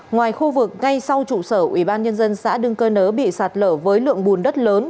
ngoài khu vực ngay sau trụ sở ủy ban nhân dân xã đương cơ nớ bị sạt lở với lượng bùn đất lớn